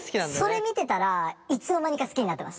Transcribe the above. それ見てたらいつの間にか好きになってました。